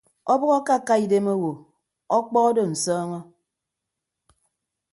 Ọbʌk akaka idem owo ọkpọ odo nsọọñọ.